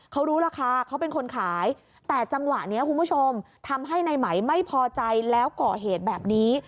เขารู้ราคาเขาเป็นคนขายแต่จังหวะนี้คุณผู้ชมทำให้ในไหมไม่พอใจแล้วก่อเหตุแบบนี้